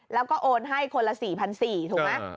แล้วก็โอนให้คนละ๔๔๐๐ถูกไหม